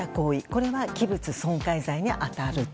これは器物損壊罪に当たると。